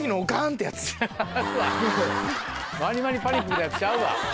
ワニワニパニックみたいなやつちゃうわ。